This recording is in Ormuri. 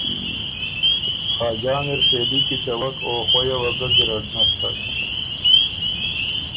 خاجان اِر سېلي کیڅوک او خویه وه ګۀ ګیرډ نستک